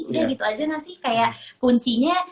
udah gitu aja gak sih kayak kuncinya